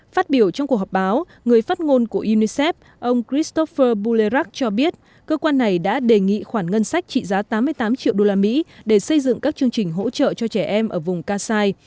phát biểu trong cuộc họp báo người phát ngôn của unicef ông christopher bulirak cho biết cơ quan này đã đề nghị khoản ngân sách trị giá tám mươi tám triệu usd để xây dựng các chương trình hỗ trợ cho trẻ em ở vùng kassai